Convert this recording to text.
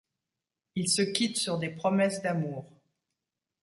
Ils se quittent sur des promesses d'amour.